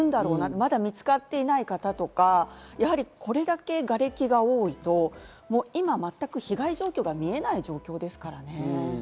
まだ見つかっていない方とか、これだけがれきが多いと、今まったく被害状況が見えない状況ですからね。